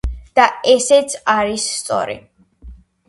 და ესეც არის სწორი.